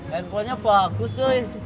handphone nya bagus cuy